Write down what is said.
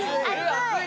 熱い。